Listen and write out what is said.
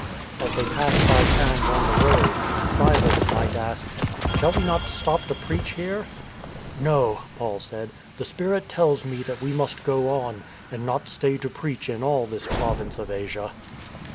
As they passed by towns on the road, Silas might ask: *' Shall we not stop to preach here? "*' No," Paul said, " the Spirit tells me that we must WESTWARD HO! 1T9 go on and not stay to preach in all this Province of Asia."